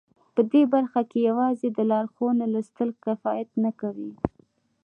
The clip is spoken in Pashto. په دې برخه کې یوازې د لارښوونو لوستل کفایت نه کوي